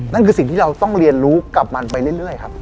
นั่นคือสิ่งที่เราต้องเรียนรู้กับมันไปเรื่อยครับ